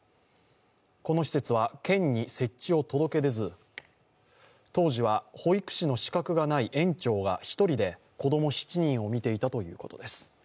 この施設は、県に設置を届け出ず、当時は保育士の資格がない園長が１人で子供７人を見ていたということです